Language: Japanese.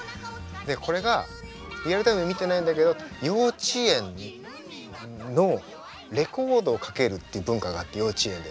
これがリアルタイムで見てないんだけど幼稚園のレコードをかけるっていう文化があって幼稚園で。